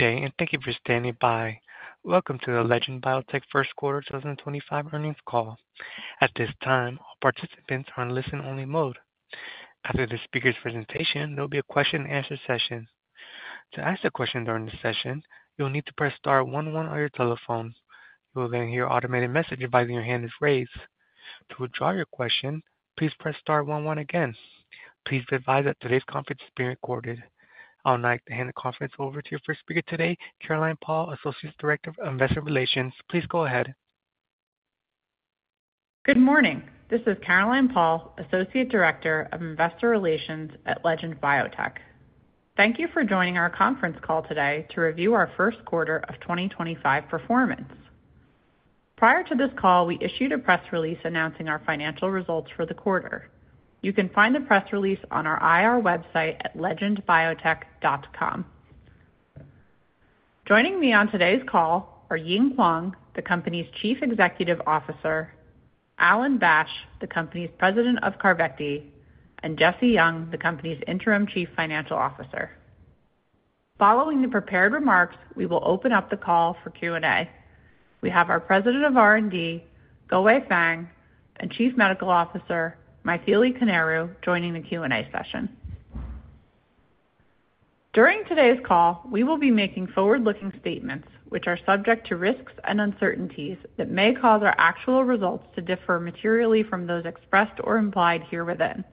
Good day and thank you for standing by. Welcome to the Legend Biotech First Quarter 2025 Earnings Call. At this time, all participants are in listen-only mode. After this speaker's presentation, there will be a question-and-answer session. To ask a question during this session, you'll need to press star 11 on your telephone. You will then hear an automated message advising your hand is raised. To withdraw your question, please press star 11 again. Please be advised that today's conference is being recorded. I would like to hand the conference over to your first speaker today, Caroline Paul, Associate Director of Investor Relations. Please go ahead. Good morning. This is Caroline Paul, Associate Director of Investor Relations at Legend Biotech. Thank you for joining our conference call today to review our first quarter of 2025 performance. Prior to this call, we issued a press release announcing our financial results for the quarter. You can find the press release on our IR website at legendbiotech.com. Joining me on today's call are Ying Huang, the company's Chief Executive Officer; Alan Bash, the company's President of CARVYKTI; and Jessie Yeung, the company's Interim Chief Financial Officer. Following the prepared remarks, we will open up the call for Q&A. We have our President of R&D, Guowei Fang, and Chief Medical Officer, Mythili Koneru, joining the Q&A session. During today's call, we will be making forward-looking statements, which are subject to risks and uncertainties that may cause our actual results to differ materially from those expressed or implied here within.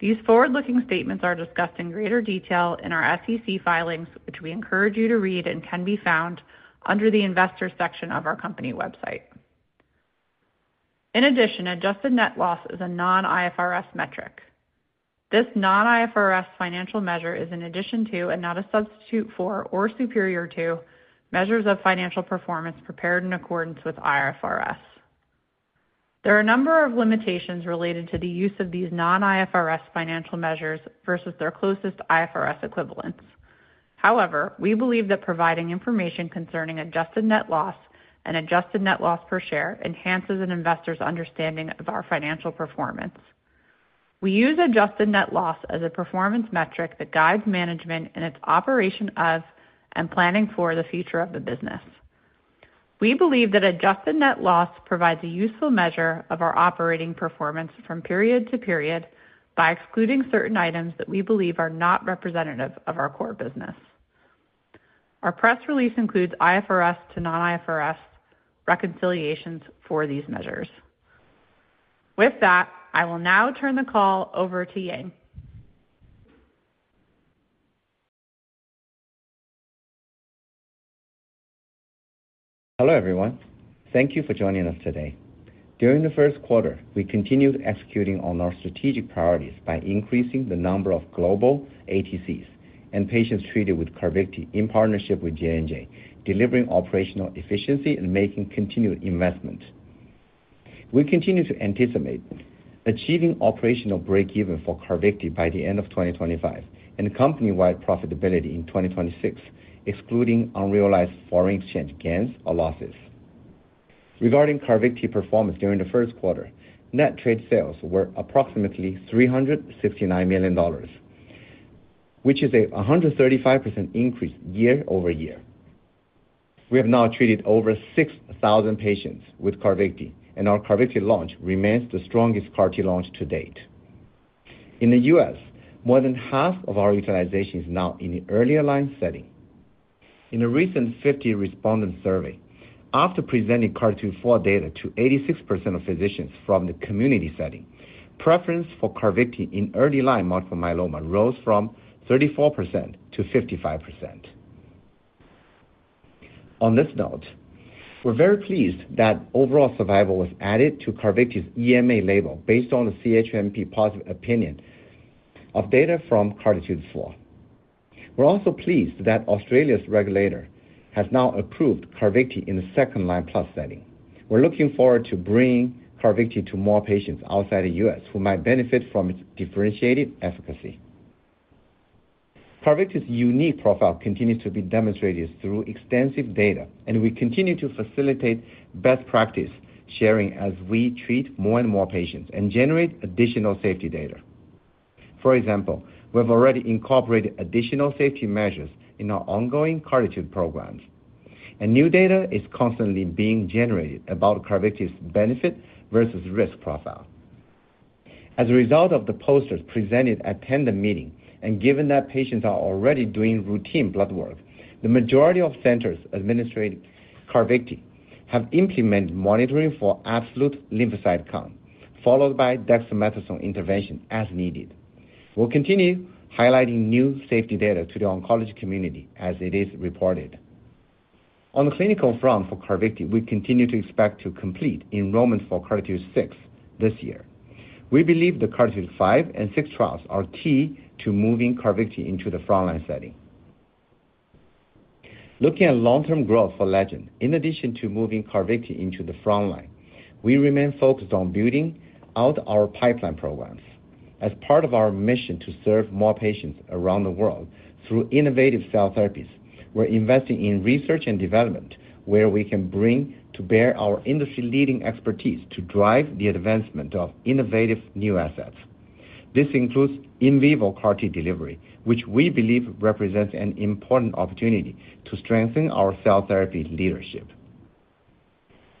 These forward-looking statements are discussed in greater detail in our SEC filings, which we encourage you to read and can be found under the Investor section of our company website. In addition, adjusted net loss is a non-IFRS metric. This non-IFRS financial measure is an addition to and not a substitute for or superior to measures of financial performance prepared in accordance with IFRS. There are a number of limitations related to the use of these non-IFRS financial measures versus their closest IFRS equivalents. However, we believe that providing information concerning adjusted net loss and adjusted net loss per share enhances an investor's understanding of our financial performance. We use adjusted net loss as a performance metric that guides management in its operation of and planning for the future of the business. We believe that adjusted net loss provides a useful measure of our operating performance from period to period by excluding certain items that we believe are not representative of our core business. Our press release includes IFRS to non-IFRS reconciliations for these measures. With that, I will now turn the call over to Ying. Hello everyone. Thank you for joining us today. During the first quarter, we continued executing on our strategic priorities by increasing the number of global ATCs and patients treated with CARVYKTI in partnership with J&J, delivering operational efficiency and making continued investment. We continue to anticipate achieving operational break-even for CARVYKTI by the end of 2025 and company-wide profitability in 2026, excluding unrealized foreign exchange gains or losses. Regarding CARVYKTI performance during the first quarter, net trade sales were approximately $369 million, which is a 135% increase year over year. We have now treated over 6,000 patients with CARVYKTI, and our CARVYKTI launch remains the strongest CAR-T launch to date. In the U.S., more than half of our utilization is now in the early line setting. In a recent 50 respondent survey, after presenting CART4 data to 86% of physicians from the community setting, preference for CARVYKTI in early line multiple myeloma rose from 34% to 55%. On this note, we're very pleased that overall survival was added to CARVYKTI's EMA label based on the CHMP positive opinion of data from CART4. We're also pleased that Australia's regulator has now approved CARVYKTI in the second line plus setting. We're looking forward to bringing CARVYKTI to more patients outside the U.S. who might benefit from its differentiated efficacy. CARVYKTI's unique profile continues to be demonstrated through extensive data, and we continue to facilitate best practice sharing as we treat more and more patients and generate additional safety data. For example, we have already incorporated additional safety measures in our ongoing CART programs, and new data is constantly being generated about CARVYKTI's benefit versus risk profile. As a result of the posters presented at Tandem meeting, and given that patients are already doing routine blood work, the majority of centers administering CARVYKTI have implemented monitoring for absolute lymphocyte count, followed by dexamethasone intervention as needed. We'll continue highlighting new safety data to the oncology community as it is reported. On the clinical front for CARVYKTI, we continue to expect to complete enrollment for CART6 this year. We believe the CART5 and 6 trials are key to moving CARVYKTI into the frontline setting. Looking at long-term growth for Legend, in addition to moving CARVYKTI into the frontline, we remain focused on building out our pipeline programs. As part of our mission to serve more patients around the world through innovative cell therapies, we're investing in research and development where we can bring to bear our industry-leading expertise to drive the advancement of innovative new assets. This includes in vivo CAR-T delivery, which we believe represents an important opportunity to strengthen our cell therapy leadership.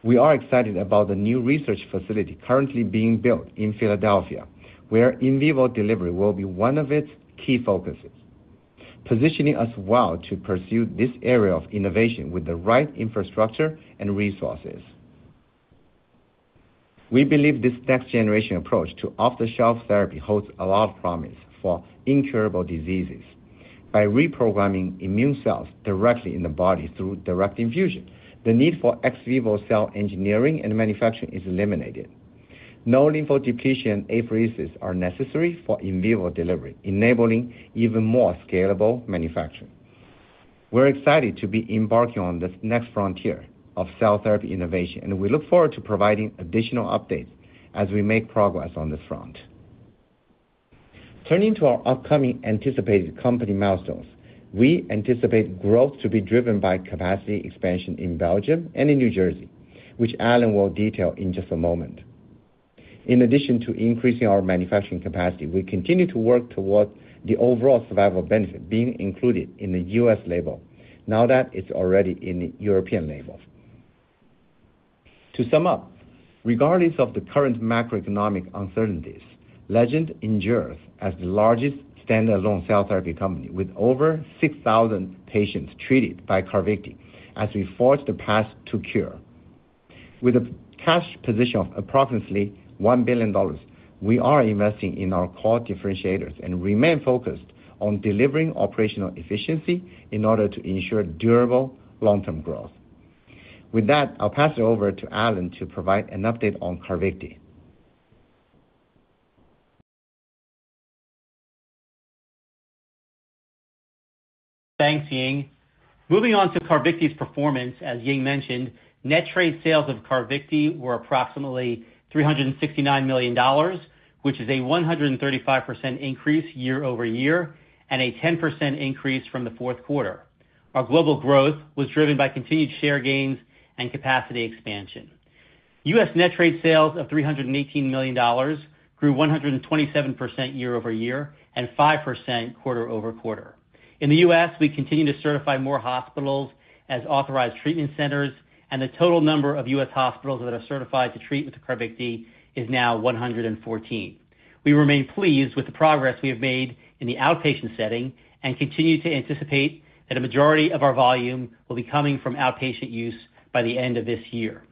We are excited about the new research facility currently being built in Philadelphia, where in vivo delivery will be one of its key focuses, positioning us well to pursue this area of innovation with the right infrastructure and resources. We believe this next-generation approach to off-the-shelf therapy holds a lot of promise for incurable diseases. By reprogramming immune cells directly in the body through direct infusion, the need for ex vivo cell engineering and manufacturing is eliminated. No lymphodepletion or apheresis are necessary for in vivo delivery, enabling even more scalable manufacturing. We're excited to be embarking on this next frontier of cell therapy innovation, and we look forward to providing additional updates as we make progress on this front. Turning to our upcoming anticipated company milestones, we anticipate growth to be driven by capacity expansion in Belgium and in New Jersey, which Alan will detail in just a moment. In addition to increasing our manufacturing capacity, we continue to work toward the overall survival benefit being included in the U.S. label now that it's already in the European label. To sum up, regardless of the current macroeconomic uncertainties, Legend endures as the largest standalone cell therapy company with over 6,000 patients treated by CARVYKTI as we forge the path to cure. With a cash position of approximately $1 billion, we are investing in our core differentiators and remain focused on delivering operational efficiency in order to ensure durable long-term growth. With that, I'll pass it over to Alan to provide an update on CARVYKTI. Thanks, Ying. Moving on to CARVYKTI's performance, as Ying mentioned, net trade sales of CARVYKTI were approximately $369 million, which is a 135% increase year over year and a 10% increase from the fourth quarter. Our global growth was driven by continued share gains and capacity expansion. U.S. net trade sales of $318 million grew 127% year-over-year and 5% quarter over quarter. In the U.S., we continue to certify more hospitals as authorized treatment centers, and the total number of U.S. hospitals that are certified to treat with CARVYKTI is now 114. We remain pleased with the progress we have made in the outpatient setting and continue to anticipate that a majority of our volume will be coming from outpatient use by the end of this year.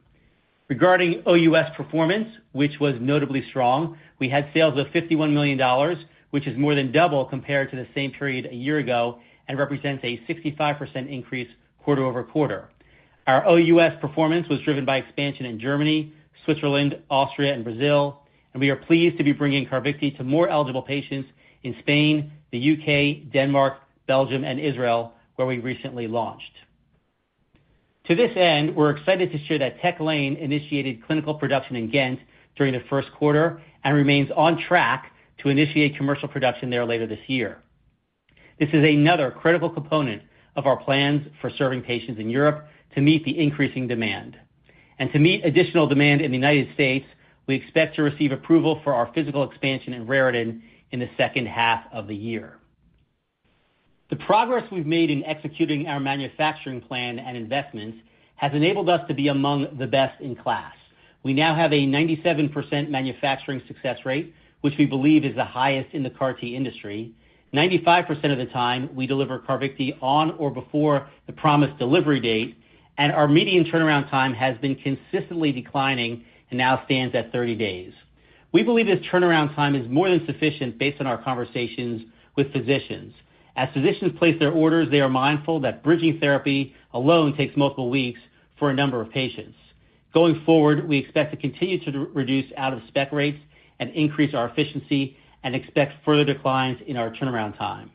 Regarding OUS performance, which was notably strong, we had sales of $51 million, which is more than double compared to the same period a year ago and represents a 65% increase quarter over quarter. Our OUS performance was driven by expansion in Germany, Switzerland, Austria, and Brazil, and we are pleased to be bringing CARVYKTI to more eligible patients in Spain, the U.K., Denmark, Belgium, and Israel, where we recently launched. To this end, we are excited to share that Tech Lane initiated clinical production in Gent during the first quarter and remains on track to initiate commercial production there later this year. This is another critical component of our plans for serving patients in Europe to meet the increasing demand. To meet additional demand in the U.S., we expect to receive approval for our physical expansion in Raritan in the second half of the year. The progress we've made in executing our manufacturing plan and investments has enabled us to be among the best in class. We now have a 97% manufacturing success rate, which we believe is the highest in the CAR-T industry. 95% of the time, we deliver CARVYKTI on or before the promised delivery date, and our median turnaround time has been consistently declining and now stands at 30 days. We believe this turnaround time is more than sufficient based on our conversations with physicians. As physicians place their orders, they are mindful that bridging therapy alone takes multiple weeks for a number of patients. Going forward, we expect to continue to reduce out-of-spec rates and increase our efficiency and expect further declines in our turnaround time.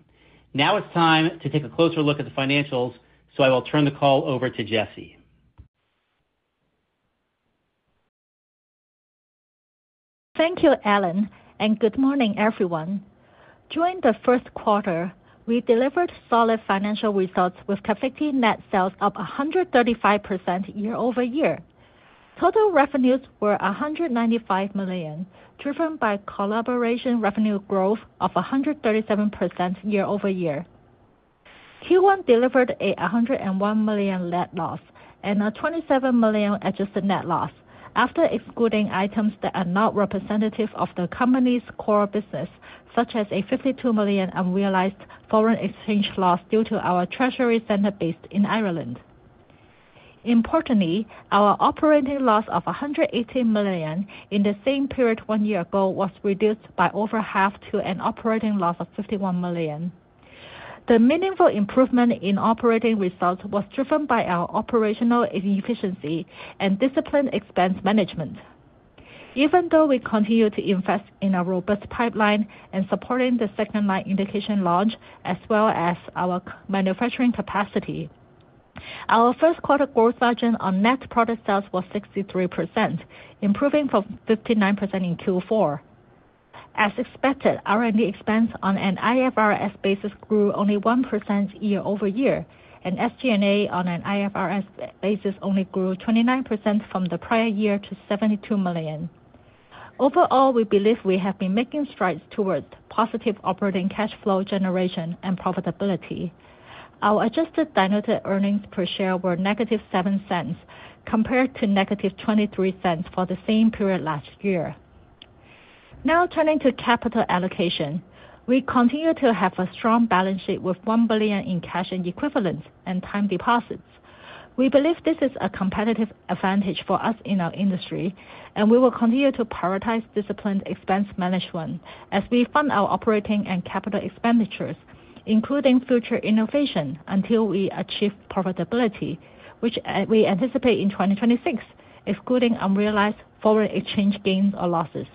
Now it's time to take a closer look at the financials, so I will turn the call over to Jessie. Thank you, Alan, and good morning, everyone. During the first quarter, we delivered solid financial results with net sales of 135% year over year. Total revenues were $195 million, driven by collaboration revenue growth of 137% year- over- year. Q1 delivered a $101 million net loss and a $27 million Adjusted Net Loss after excluding items that are not representative of the company's core business, such as a $52 million unrealized foreign exchange loss due to our treasury center based in Ireland. Importantly, our operating loss of $118 million in the same period one year ago was reduced by over half to an Operating Loss of $51 million. The meaningful improvement in operating results was driven by our operational efficiency and disciplined expense management. Even though we continue to invest in a robust pipeline and supporting the second line indication launch as well as our manufacturing capacity, our first quarter Gross Margin on net product sales was 63%, improving from 59% in Q4. As expected, R&D expense on an IFRS basis grew only 1% year over year, and SG&A on an IFRS basis only grew 29% from the prior year to $72 million. Overall, we believe we have been making strides towards positive operating cash flow generation and profitability. Our Adjusted diluted earnings per share were negative $0.07 compared to negative $0.23 for the same period last year. Now turning to capital allocation, we continue to have a strong Balance Sheet with $1 billion in cash and equivalents and time deposits. We believe this is a competitive advantage for us in our industry, and we will continue to prioritize disciplined expense management as we fund our operating and capital expenditures, including future innovation, until we achieve profitability, which we anticipate in 2026, excluding unrealized foreign exchange gains or losses.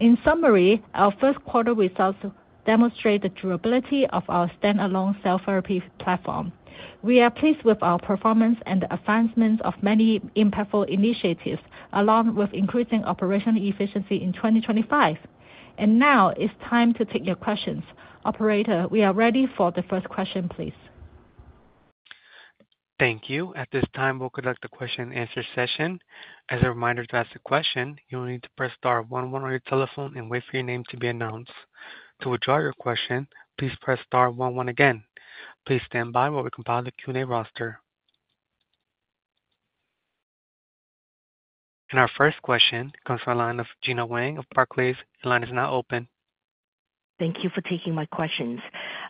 In summary, our first quarter results demonstrate the durability of our standalone cell therapy platform. We are pleased with our performance and the advancements of many impactful initiatives, along with increasing operational efficiency in 2025. Now it is time to take your questions. Operator, we are ready for the first question, please. Thank you. At this time, we'll conduct the question-and-answer session. As a reminder, to ask a question, you'll need to press star 11 on your telephone and wait for your name to be announced. To withdraw your question, please press star 11 again. Please stand by while we compile the Q&A roster. Our first question comes from the line of Gena Wang of Barclays. Your line is now open. Thank you for taking my questions.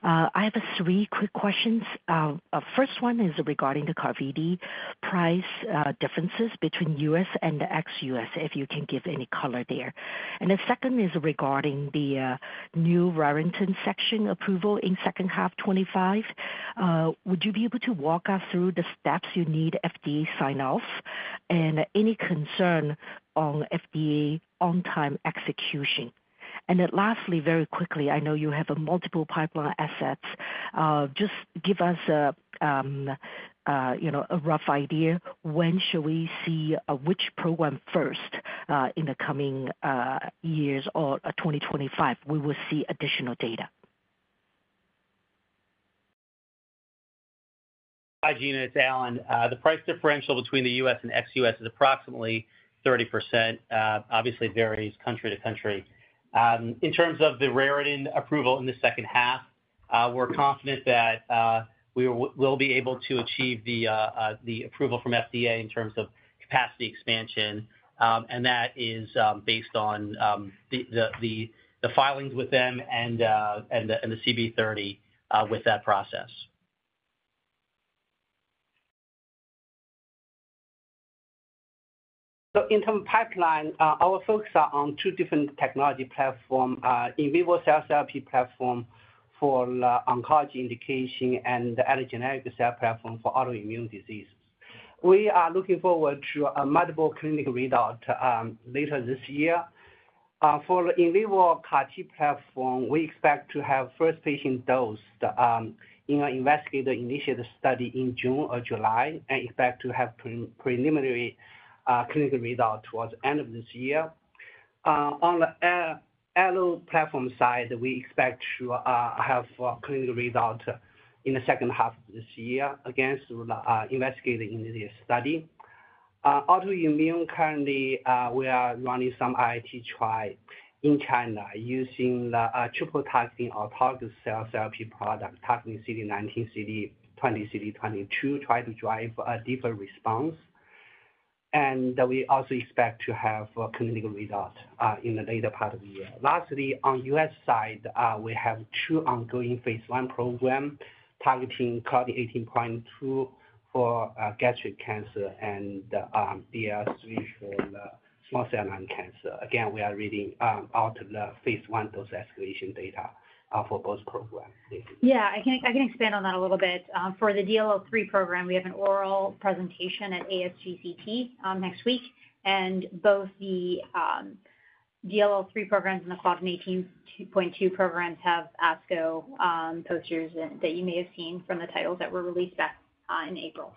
I have three quick questions. The first one is regarding the CARVYKTI price differences between U.S. and the ex U.S., if you can give any color there. The second is regarding the new Raritan section approval in the second half 2025. Would you be able to walk us through the steps you need FDA sign-offs and any concern on FDA on-time execution? Lastly, very quickly, I know you have multiple pipeline assets. Just give us a rough idea. When should we see which program first in the coming years or 2025 we will see additional data? Hi, Gena. It's Alan. The price differential between the U.S. and ex U.S. is approximately 30%. Obviously, it varies country to country. In terms of the Raritan approval in the second half, we're confident that we will be able to achieve the approval from FDA in terms of capacity expansion, and that is based on the filings with them and the CBER with that process. In terms of pipeline, our focus is on two different technology platforms: in vivo cell therapy platform for oncology indication and the allogeneic cell platform for autoimmune diseases. We are looking forward to multiple clinical results later this year. For the in vivo CAR-T platform, we expect to have first patient dosed in an investigator-initiated study in June or July and expect to have preliminary clinical results towards the end of this year. On the allo platform side, we expect to have clinical results in the second half of this year again through the investigator-initiated study. Autoimmune currently, we are running some IIT trial in China using the triple-targeting autologous cell therapy product, TACNI CD19, CD20, CD22, to try to drive a deeper response. We also expect to have clinical results in the later part of the year. Lastly, on the U.S. side, we have two ongoing phase I programs targeting CLDN18.2 for gastric cancer and DLL3 for small cell lung cancer. Again, we are reading out the phase I dose escalation data for both programs. Yeah, I can expand on that a little bit. For the DLL3 program, we have an oral presentation at ASGCT next week, and both the DLL3 programs and the CLDN18.2 programs have ASCO posters that you may have seen from the titles that were released back in April.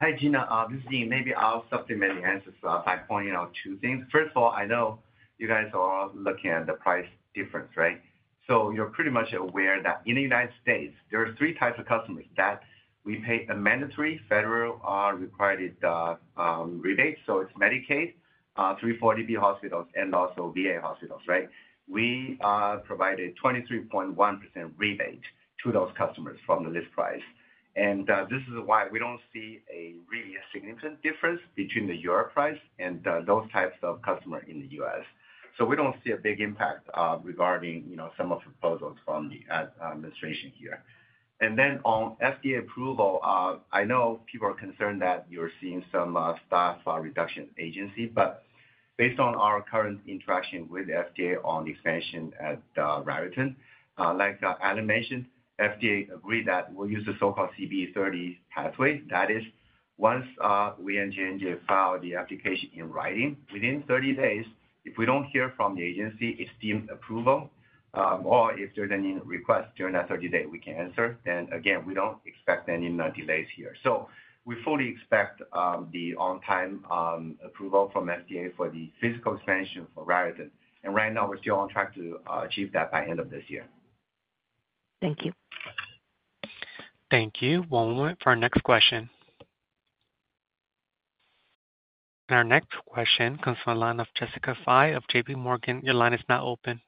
Hi, Gena. This is Ying. Maybe I'll supplement the answers by pointing out two things. First of all, I know you guys are looking at the price difference, right? You're pretty much aware that in the United States, there are three types of customers that we pay a mandatory federal required rebate. It's Medicaid, 340B hospitals, and also VA hospitals, right? We provide a 23.1% rebate to those customers from the list price. This is why we don't see a really significant difference between the Europe price and those types of customers in the U.S. We don't see a big impact regarding some of the proposals from the administration here. On FDA approval, I know people are concerned that you're seeing some staff reduction agency, but based on our current interaction with FDA on the expansion at Raritan, like Alan mentioned, FDA agreed that we'll use the so-called CB30 pathway. That is, once we engineer and file the application in writing, within 30 days, if we don't hear from the agency esteemed approval or if there's any request during that 30 days we can answer, then again, we don't expect any delays here. We fully expect the on-time approval from FDA for the physical expansion for Raritan. Right now, we're still on track to achieve that by the end of this year. Thank you. Thank you. One moment for our next question. Our next question comes from the line of Jessica Fye of JP Morgan. Your line is now open.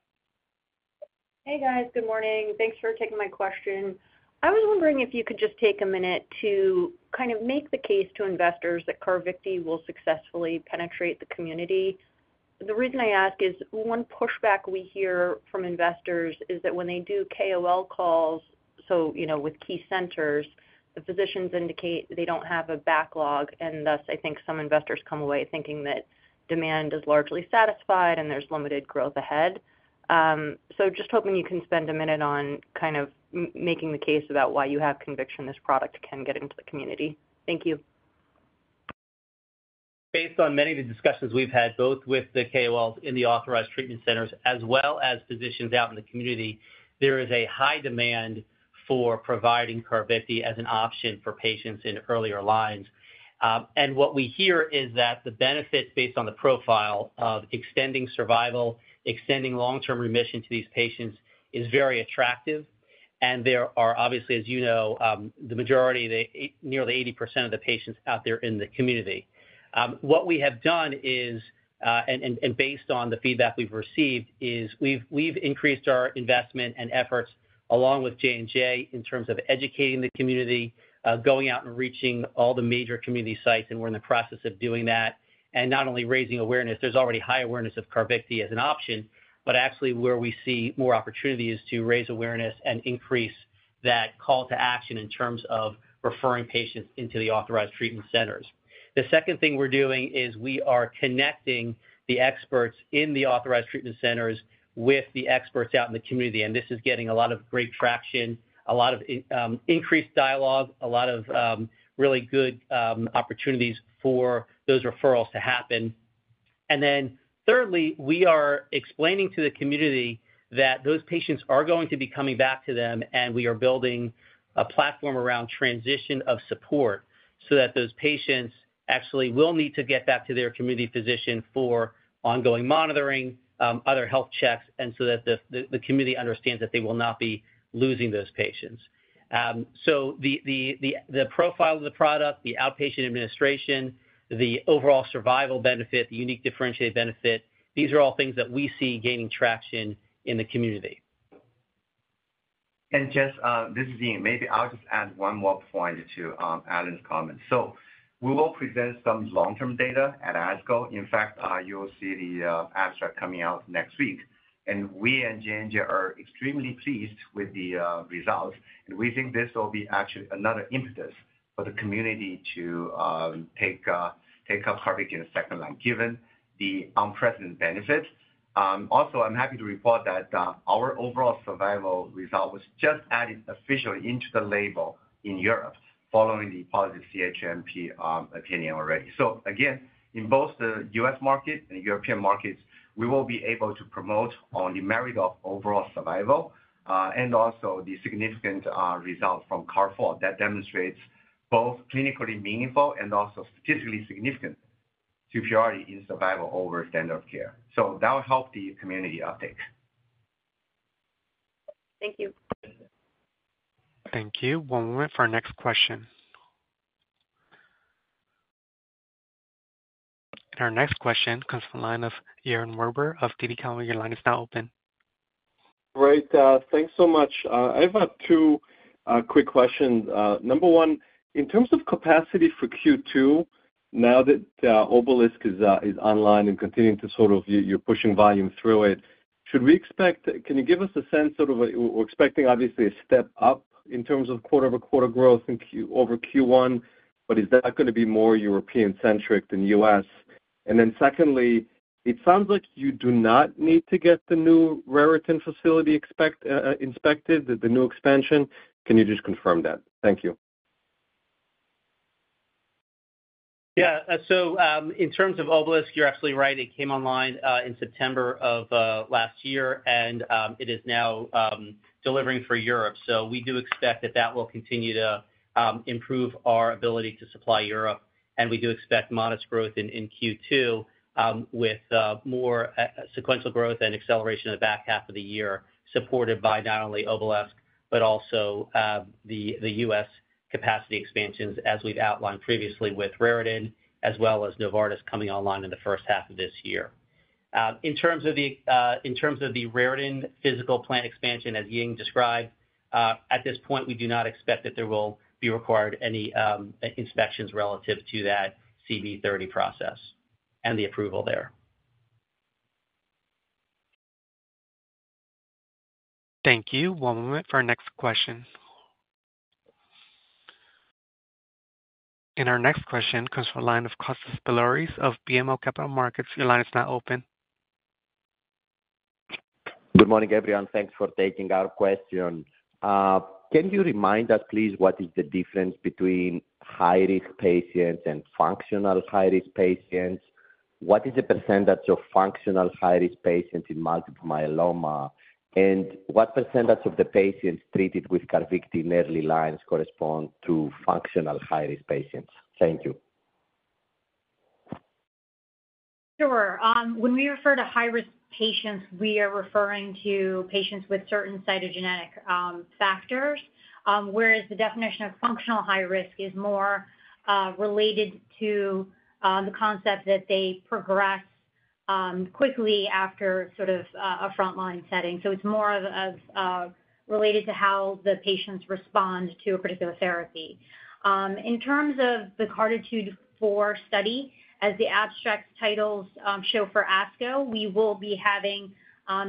Hey, guys. Good morning. Thanks for taking my question. I was wondering if you could just take a minute to kind of make the case to investors that CARVYKTI will successfully penetrate the community. The reason I ask is one pushback we hear from investors is that when they do KOL calls, so with key centers, the physicians indicate they don't have a backlog, and thus I think some investors come away thinking that demand is largely satisfied and there's limited growth ahead. Just hoping you can spend a minute on kind of making the case about why you have conviction this product can get into the community. Thank you. Based on many of the discussions we've had both with the KOLs in the authorized treatment centers as well as physicians out in the community, there is a high demand for providing CARVYKTI as an option for patients in earlier lines. What we hear is that the benefits based on the profile of extending survival, extending long-term remission to these patients is very attractive. There are obviously, as you know, the majority, nearly 80% of the patients out there in the community. What we have done is, and based on the feedback we've received, is we've increased our investment and efforts along with J&J in terms of educating the community, going out and reaching all the major community sites, and we're in the process of doing that. Not only raising awareness, there is already high awareness of CARVYKTI as an option, but actually where we see more opportunity is to raise awareness and increase that call to action in terms of referring patients into the authorized treatment centers. The second thing we are doing is we are connecting the experts in the authorized treatment centers with the experts out in the community. This is getting a lot of great traction, a lot of increased dialogue, a lot of really good opportunities for those referrals to happen. Thirdly, we are explaining to the community that those patients are going to be coming back to them, and we are building a platform around transition of support so that those patients actually will need to get back to their community physician for ongoing monitoring, other health checks, and so that the community understands that they will not be losing those patients. The profile of the product, the outpatient administration, the overall survival benefit, the unique differentiated benefit, these are all things that we see gaining traction in the community. Jess, this is Ying. Maybe I'll just add one more point to Alan's comment. We will present some long-term data at ASCO. In fact, you'll see the abstract coming out next week. We and J&J are extremely pleased with the results. We think this will be actually another impetus for the community to take up CARVYKTI in the second line, given the unprecedented benefit. Also, I'm happy to report that our overall survival result was just added officially into the label in Europe following the positive CHMP opinion already. Again, in both the U.S. market and European markets, we will be able to promote on the merit of overall survival and also the significant result from CARVYKTI that demonstrates both clinically meaningful and also statistically significant superiority in survival over standard of care. That will help the community uptake. Thank you. Thank you. One moment for our next question. Our next question comes from the line of Yaron Werber of Cowen and Company Your line is now open. Great. Thanks so much. I have two quick questions. Number one, in terms of capacity for Q2, now that Obalisk is online and continuing to sort of you're pushing volume through it, should we expect, can you give us a sense, sort of we're expecting obviously a step up in terms of quarter-over-quarter growth over Q1, but is that going to be more European-centric than U.S.? Secondly, it sounds like you do not need to get the new Raritan facility inspected, the new expansion. Can you just confirm that? Thank you. Yeah. In terms of Obalisk, you're absolutely right. It came online in September of last year, and it is now delivering for Europe. We do expect that that will continue to improve our ability to supply Europe. We do expect modest growth in Q2 with more sequential growth and acceleration in the back half of the year, supported by not only Obalisk, but also the U.S. capacity expansions as we've outlined previously with Raritan, as well as Novartis coming online in the first half of this year. In terms of the Raritan physical plant expansion, as Ying described, at this point, we do not expect that there will be required any inspections relative to that CB30 process and the approval there. Thank you. One moment for our next question. Our next question comes from the line of Kostas Biliouris of BMO Capital Markets. Your line is now open. Good morning, everyone. Thanks for taking our question. Can you remind us, please, what is the difference between high-risk patients and functional high-risk patients? What is the percentage of functional high-risk patients in multiple myeloma? What percentage of the patients treated with CARVYKTI in early lines correspond to functional high-risk patients? Thank you. Sure. When we refer to high-risk patients, we are referring to patients with certain cytogenetic factors, whereas the definition of functional high-risk is more related to the concept that they progress quickly after sort of a frontline setting. It is more related to how the patients respond to a particular therapy. In terms of the CARD18.4 study, as the abstract titles show for ASCO, we will be having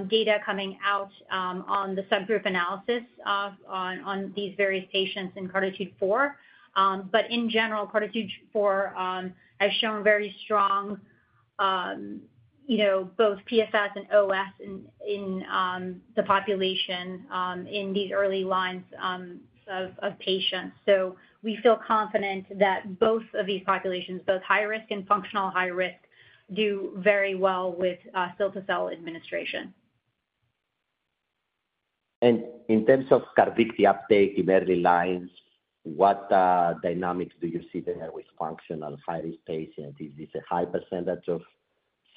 data coming out on the subgroup analysis on these various patients in CARD18.4. In general, CARD18.4 has shown very strong both PFS and OS in the population in these early lines of patients. We feel confident that both of these populations, both high-risk and functional high-risk, do very well with siltazol administration. In terms of CARVYKTI uptake in early lines, what dynamics do you see there with functional high-risk patients? Is this a high percentage of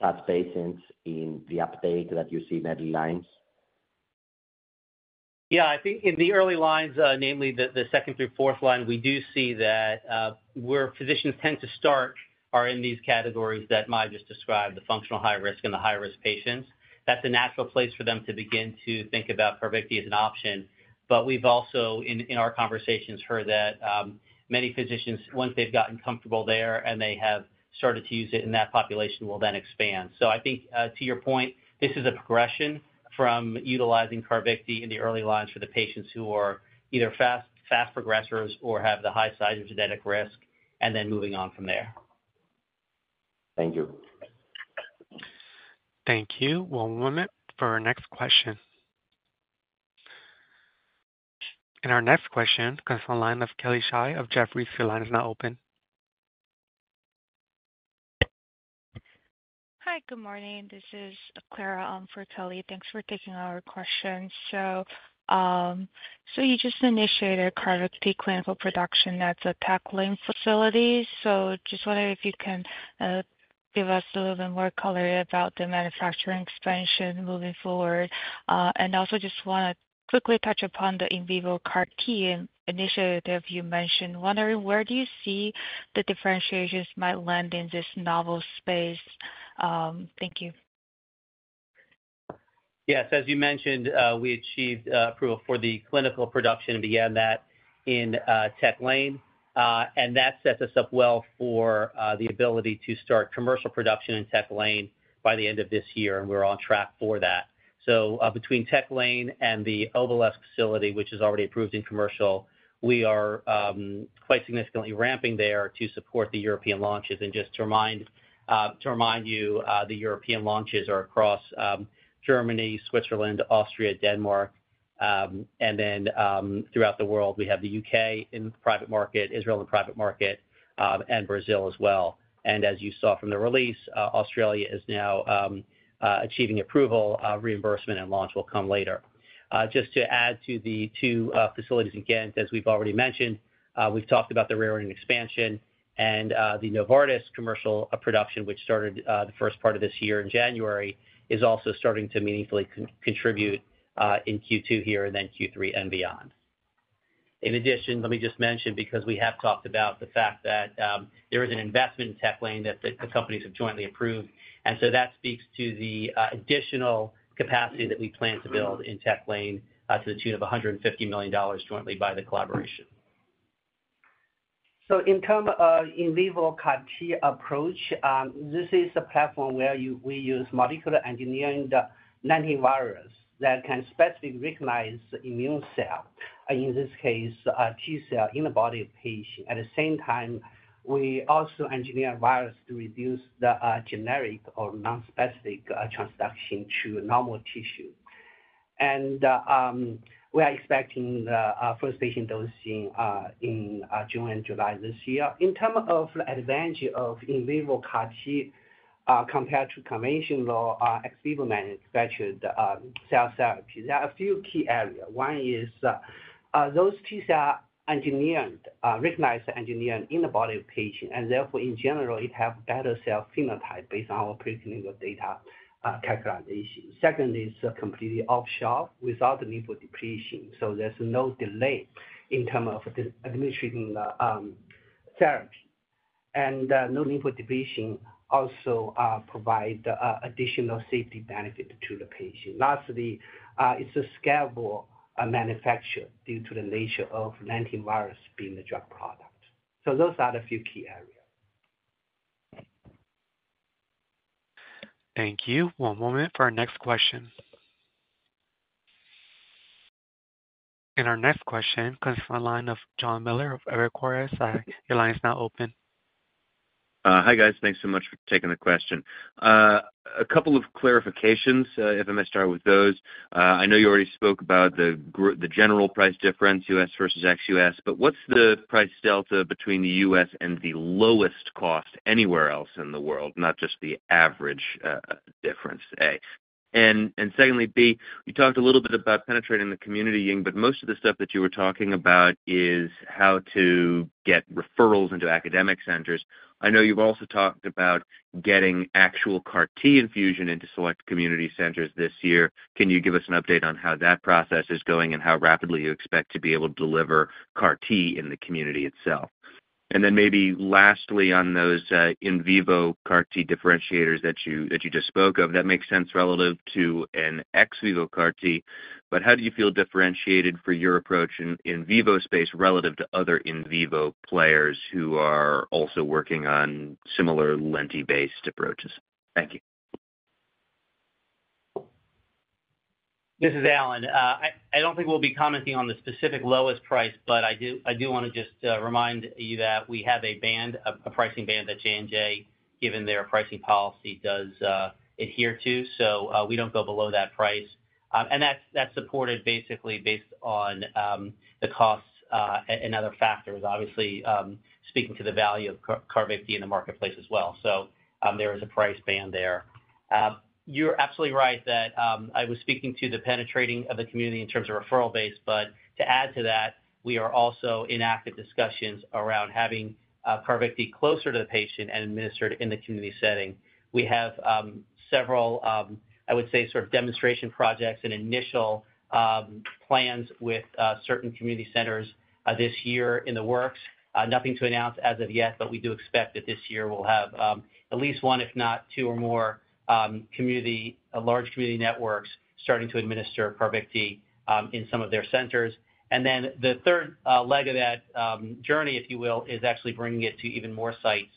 such patients in the uptake that you see in early lines? Yeah. I think in the early lines, namely the second through fourth line, we do see that where physicians tend to start are in these categories that Maya just described, the functional high-risk and the high-risk patients. That is a natural place for them to begin to think about CARVYKTI as an option. We have also in our conversations heard that many physicians, once they have gotten comfortable there and they have started to use it in that population, will then expand. I think to your point, this is a progression from utilizing CARVYKTI in the early lines for the patients who are either fast progressors or have the high cytogenetic risk and then moving on from there. Thank you. Thank you. One moment for our next question. Our next question comes from the line of Kelly Chai of Jefferies. Your line is now open. Hi, good morning. This is Clara for Kelly. Thanks for taking our question. You just initiated CARVYKTI clinical production at the Tech Lane facility. I am just wondering if you can give us a little bit more color about the manufacturing expansion moving forward. I also just want to quickly touch upon the in vivo CAR-T initiative you mentioned. Wondering where do you see the differentiations might land in this novel space? Thank you. Yes. As you mentioned, we achieved approval for the clinical production and began that in Tech Lane. That sets us up well for the ability to start commercial production in Tech Lane by the end of this year. We are on track for that. Between Tech Lane and the Obalisk facility, which is already approved in commercial, we are quite significantly ramping there to support the European launches. Just to remind you, the European launches are across Germany, Switzerland, Austria, Denmark, and then throughout the world. We have the U.K. in the private market, Israel in the private market, and Brazil as well. As you saw from the release, Australia is now achieving approval. Reimbursement and launch will come later. Just to add to the two facilities again, as we've already mentioned, we've talked about the Raritan expansion and the Novartis commercial production, which started the first part of this year in January, is also starting to meaningfully contribute in Q2 here and then Q3 and beyond. In addition, let me just mention, because we have talked about the fact that there is an investment in Tech Lane that the companies have jointly approved. That speaks to the additional capacity that we plan to build in Tech Lane to the tune of $150 million jointly by the collaboration. In terms of in vivo CAR-T approach, this is a platform where we use molecular engineering, the anti-virus that can specifically recognize immune cell, in this case, T cell in the body of patient. At the same time, we also engineer virus to reduce the generic or non-specific transduction to normal tissue. We are expecting the first patient dosing in June and July this year. In terms of the advantage of in vivo CAR-T compared to conventional ex vivo manufactured cell therapies, there are a few key areas. One is those T cell engineered, recognized engineered in the body of patient. Therefore, in general, it has better cell phenotype based on our preclinical data characterization. Second is completely off-shelf without the lymphodepletion. There is no delay in terms of administrating the therapy. No lymphodepletion also provides additional safety benefit to the patient. Lastly, it's a scalable manufacture due to the nature of anti-virus being the drug product. So those are the few key areas. Thank you. One moment for our next question. Our next question comes from the line of Jonathan Miller of AeroQuartz. Your line is now open. Hi guys. Thanks so much for taking the question. A couple of clarifications, if I may start with those. I know you already spoke about the general price difference, U.S. versus ex U.S., but what's the price delta between the U.S. and the lowest cost anywhere else in the world, not just the average difference? Secondly, B, you talked a little bit about penetrating the community, Ying, but most of the stuff that you were talking about is how to get referrals into academic centers. I know you've also talked about getting actual CAR-T infusion into select community centers this year. Can you give us an update on how that process is going and how rapidly you expect to be able to deliver CAR-T in the community itself? Then maybe lastly on those in vivo CAR-T differentiators that you just spoke of, that makes sense relative to an ex vivo CAR-T, but how do you feel differentiated for your approach in the in vivo space relative to other in vivo players who are also working on similar lentiviral-based approaches? Thank you. This is Alan. I don't think we'll be commenting on the specific lowest price, but I do want to just remind you that we have a pricing band that J&J, given their pricing policy, does adhere to. We don't go below that price. That is supported basically based on the costs and other factors, obviously speaking to the value of CARVYKTI in the marketplace as well. There is a price band there. You're absolutely right that I was speaking to the penetrating of the community in terms of referral base, but to add to that, we are also in active discussions around having CARVYKTI closer to the patient and administered in the community setting. We have several, I would say, sort of demonstration projects and initial plans with certain community centers this year in the works. Nothing to announce as of yet, but we do expect that this year we'll have at least one, if not two or more large community networks starting to administer CARVYKTI in some of their centers. The third leg of that journey, if you will, is actually bringing it to even more sites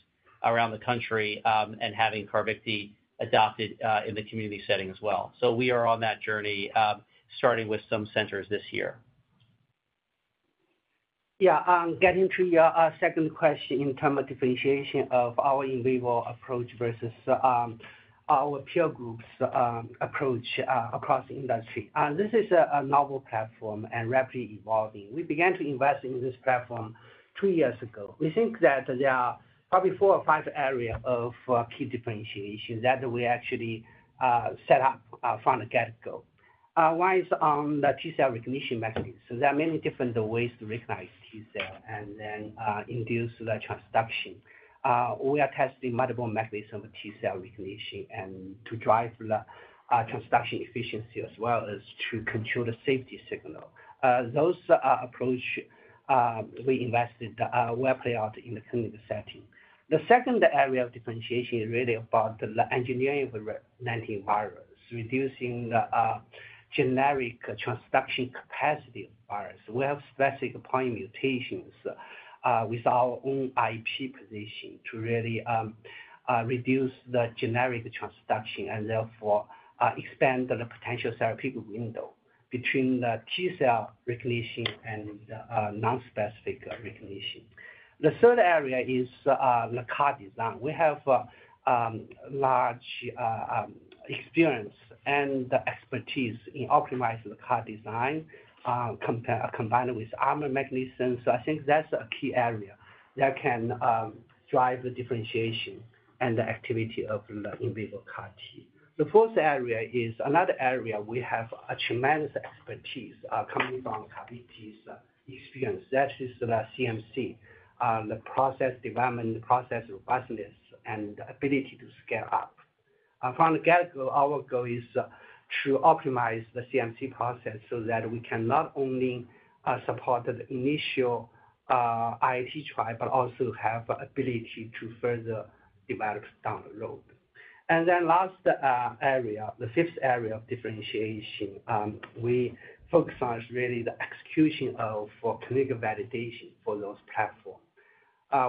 around the country and having CARVYKTI adopted in the community setting as well. We are on that journey starting with some centers this year. Yeah. Getting to your second question in terms of differentiation of our in vivo approach versus our peer groups' approach across the industry. This is a novel platform and rapidly evolving. We began to invest in this platform two years ago. We think that there are probably four or five areas of key differentiation that we actually set up from the get-go. One is on the T cell recognition mechanism. There are many different ways to recognize T cell and then induce the transduction. We are testing multiple mechanisms of T cell recognition and to drive the transduction efficiency as well as to control the safety signal. Those approaches we invested will play out in the clinical setting. The second area of differentiation is really about the engineering of lentiviral vector, reducing the generic transduction capacity of vector. We have specific point mutations with our own IP position to really reduce the generic transduction and therefore expand the potential therapeutic window between the T cell recognition and the non-specific recognition. The third area is the CAR design. We have large experience and expertise in optimizing the CAR design combined with armor mechanisms. I think that's a key area that can drive the differentiation and the activity of the in vivo CAR-T. The fourth area is another area we have tremendous expertise coming from CARVYKTI's experience. That is the CMC, the process development, the process robustness, and the ability to scale up. From the get-go, our goal is to optimize the CMC process so that we can not only support the initial IIT trial, but also have ability to further develop down the road. The last area, the fifth area of differentiation we focus on is really the execution of clinical validation for those platforms.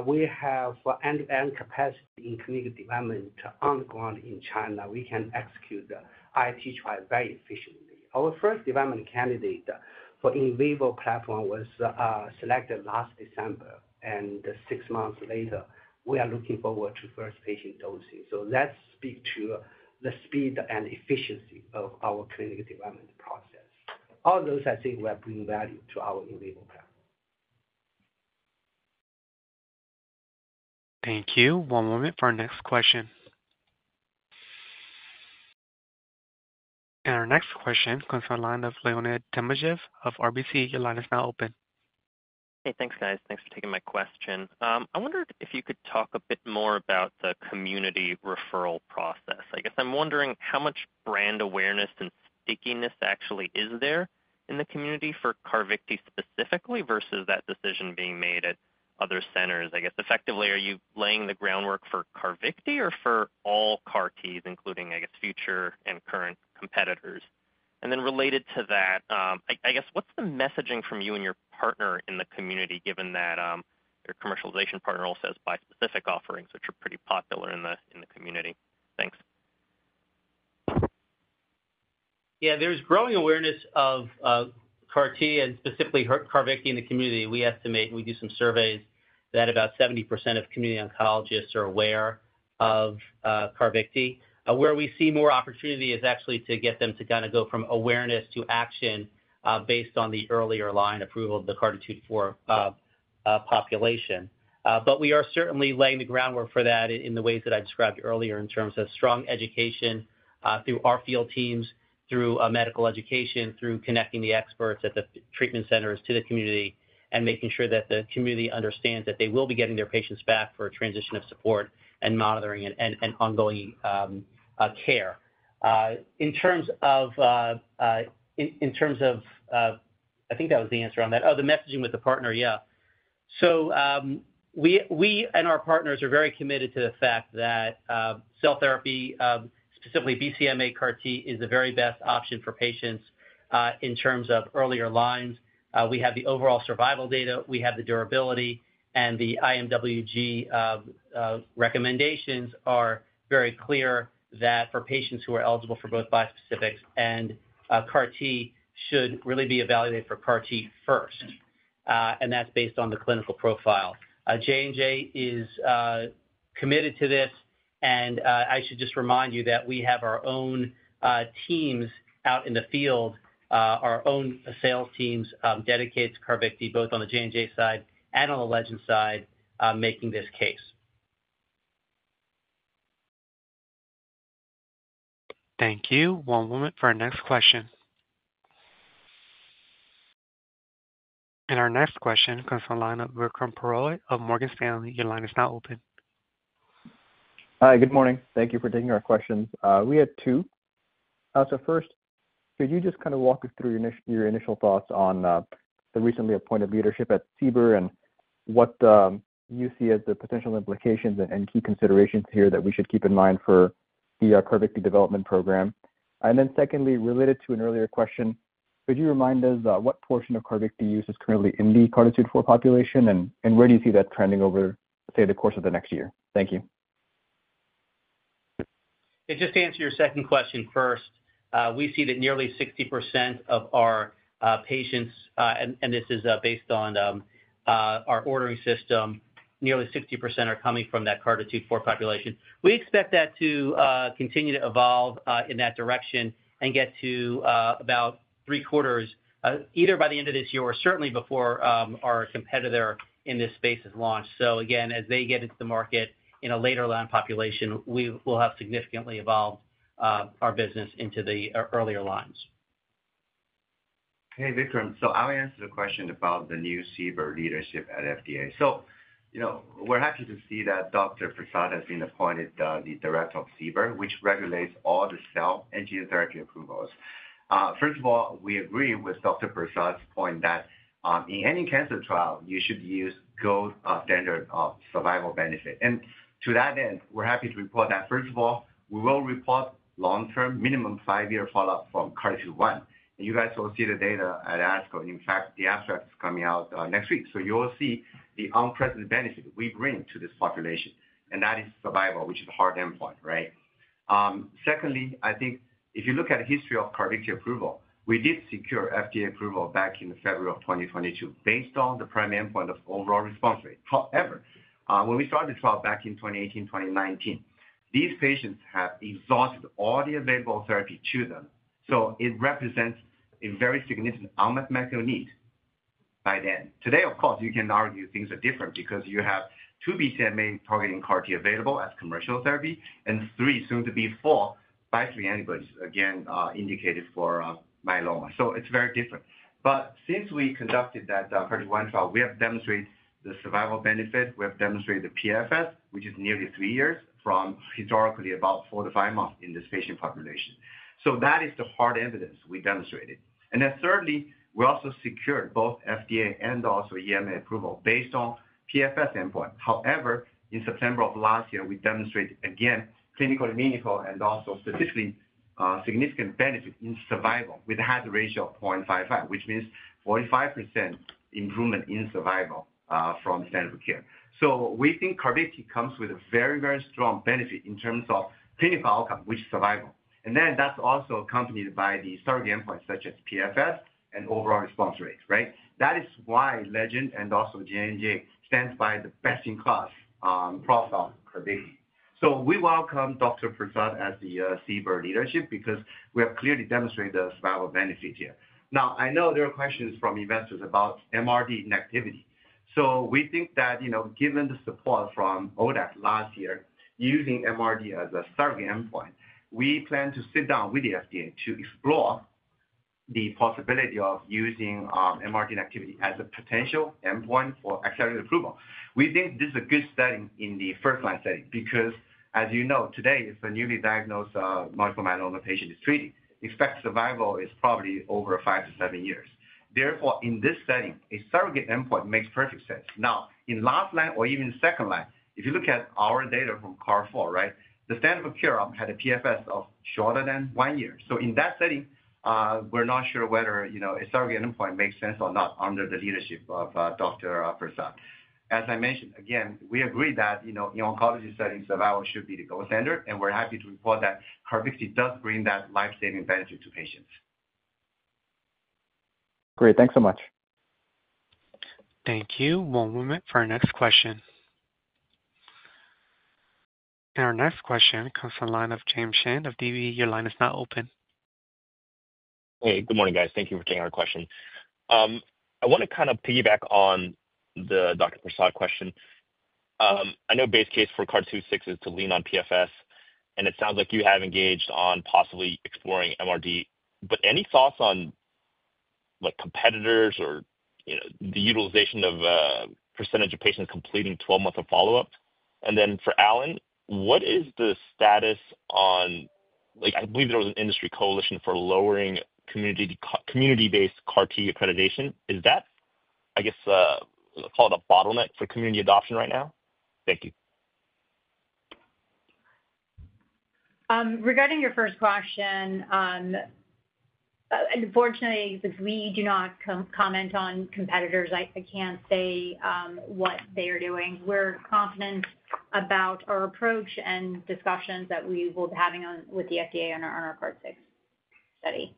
We have end-to-end capacity in clinical development on the ground in China. We can execute the IIT trial very efficiently. Our first development candidate for In Vivo platform was selected last December. Six months later, we are looking forward to first patient dosing. That speaks to the speed and efficiency of our clinical development process. All those, I think, will bring value to our In Vivo platform. Thank you. One moment for our next question. Our next question comes from the line of Leonid Timashev of RBC. Your line is now open. Hey, thanks guys. Thanks for taking my question. I wondered if you could talk a bit more about the community referral process. I guess I'm wondering how much brand awareness and stickiness actually is there in the community for CARVYKTI specifically versus that decision being made at other centers. I guess effectively, are you laying the groundwork for CARVYKTI or for all CAR-T, including, I guess, future and current competitors? And then related to that, I guess what's the messaging from you and your partner in the community, given that your commercialization partner also has bispecific offerings, which are pretty popular in the community? Thanks. Yeah. There's growing awareness of CAR-T and specifically CARVYKTI in the community. We estimate, and we do some surveys, that about 70% of community oncologists are aware of CARVYKTI. Where we see more opportunity is actually to get them to kind of go from awareness to action based on the earlier line approval of the CARTITUDE-4 population. We are certainly laying the groundwork for that in the ways that I described earlier in terms of strong education through our field teams, through medical education, through connecting the experts at the treatment centers to the community, and making sure that the community understands that they will be getting their patients back for a transition of support and monitoring and ongoing care. In terms of I think that was the answer on that. Oh, the messaging with the partner, yeah. We and our partners are very committed to the fact that cell therapy, specifically BCMA CAR-T, is the very best option for patients in terms of earlier lines. We have the overall survival data. We have the durability. The IMWG recommendations are very clear that for patients who are eligible for both bispecifics and CAR-T, they should really be evaluated for CAR-T first. That is based on the clinical profile. J&J is committed to this. I should just remind you that we have our own teams out in the field, our own sales teams dedicated to CARVYKTI, both on the J&J side and on the Legend side, making this case. Thank you. One moment for our next question. Our next question comes from the line of Lercombe Perowei of Morgan Stanley. Your line is now open. Hi, good morning. Thank you for taking our questions. We had two. First, could you just kind of walk us through your initial thoughts on the recently appointed leadership at CBER and what you see as the potential implications and key considerations here that we should keep in mind for the CARVYKTI development program? Secondly, related to an earlier question, could you remind us what portion of CARVYKTI use is currently in the CARTITUDE-4 population and where do you see that trending over, say, the course of the next year? Thank you. To answer your second question first, we see that nearly 60% of our patients, and this is based on our ordering system, nearly 60% are coming from that CARTITUDE-4 population. We expect that to continue to evolve in that direction and get to about three quarters either by the end of this year or certainly before our competitor in this space is launched. Again, as they get into the market in a later line population, we will have significantly evolved our business into the earlier lines. Hey, Vikram. I'll answer the question about the new CBER leadership at FDA. We're happy to see that Dr. Prasad has been appointed the director of CBER, which regulates all the cell and gene therapy approvals. First of all, we agree with Dr. Prasad's point that in any cancer trial, you should use gold standard of survival benefit. To that end, we're happy to report that we will report long-term minimum five-year follow-up from CARTITUDE-1. You guys will see the data at ASCO. In fact, the abstract is coming out next week. You will see the unprecedented benefit we bring to this population. That is survival, which is a hard endpoint, right? Secondly, I think if you look at the history of CARVYKTI approval, we did secure FDA approval back in February of 2022 based on the primary endpoint of overall response rate. However, when we started the trial back in 2018, 2019, these patients have exhausted all the available therapy to them. It represents a very significant unmet medical need by then. Today, of course, you can argue things are different because you have two BCMA targeting CAR-T available as commercial therapy and three soon-to-be four bispecific antibodies, again, indicated for myeloma. It is very different. Since we conducted that CARTITUDE-1 trial, we have demonstrated the survival benefit. We have demonstrated the PFS, which is nearly three years from historically about four to five months in this patient population. That is the hard evidence we demonstrated. Thirdly, we also secured both FDA and also EMA approval based on PFS endpoint. However, in September of last year, we demonstrated again clinically meaningful and also statistically significant benefit in survival with a hazard ratio of 0.55, which means 45% improvement in survival from standard of care. We think CARVYKTI comes with a very, very strong benefit in terms of clinical outcome, which is survival. That is also accompanied by the surrogate endpoint such as PFS and overall response rate, right? That is why Legend and also J&J stand by the best-in-class profile for CARVYKTI. We welcome Dr. Prasad as the CBER leadership because we have clearly demonstrated the survival benefit here. Now, I know there are questions from investors about MRD inactivity. We think that given the support from ODAC last year using MRD as a surrogate endpoint, we plan to sit down with the FDA to explore the possibility of using MRD inactivity as a potential endpoint for accelerated approval. We think this is a good setting in the first line setting because, as you know, today, if a newly diagnosed multiple myeloma patient is treated, expected survival is probably over five to seven years. Therefore, in this setting, a surrogate endpoint makes perfect sense. Now, in last line or even second line, if you look at our data from CAR4, right, the standard of care had a PFS of shorter than one year. In that setting, we're not sure whether a surrogate endpoint makes sense or not under the leadership of Dr. Prasad. As I mentioned, again, we agree that in oncology settings, survival should be the gold standard. We are happy to report that CARVYKTI does bring that lifesaving benefit to patients. Great. Thanks so much. Thank you. One moment for our next question. Our next question comes from the line of James Shin of DVE. Your line is now open. Hey, good morning, guys. Thank you for taking our question. I want to kind of piggyback on the Dr. Prasad question. I know base case for CAR2/6 is to lean on PFS. It sounds like you have engaged on possibly exploring MRD. Any thoughts on competitors or the utilization of % of patients completing 12-month follow-up? For Alan, what is the status on, I believe there was an industry coalition for lowering community-based CAR-T accreditation. Is that, I guess, call it a bottleneck for community adoption right now? Thank you. Regarding your first question, unfortunately, since we do not comment on competitors, I can't say what they are doing. We're confident about our approach and discussions that we will be having with the FDA on our CAR6 study.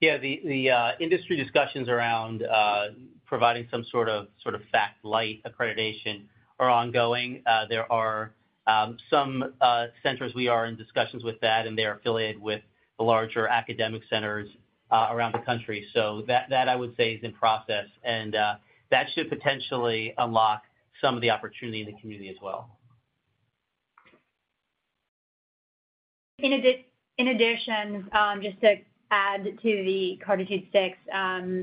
Yeah. The industry discussions around providing some sort of FACT-light accreditation are ongoing. There are some centers we are in discussions with that, and they are affiliated with the larger academic centers around the country. That, I would say, is in process. That should potentially unlock some of the opportunity in the community as well. In addition, just to add to the CAR2/6,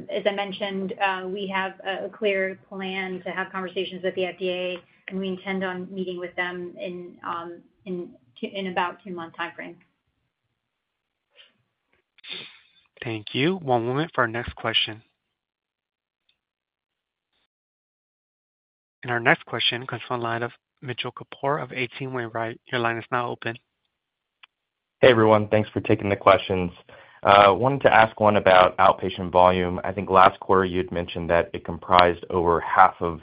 as I mentioned, we have a clear plan to have conversations with the FDA, and we intend on meeting with them in about a two-month time frame. Thank you. One moment for our next question. Our next question comes from the line of Mitchell Kapoor of H.C Wainwright. Your line is now open. Hey, everyone. Thanks for taking the questions. Wanted to ask one about outpatient volume. I think last quarter, you had mentioned that it comprised over half of